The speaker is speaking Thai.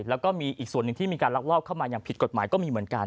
แล้วก็มีอีกส่วนหนึ่งที่มีการลักลอบเข้ามาอย่างผิดกฎหมายก็มีเหมือนกัน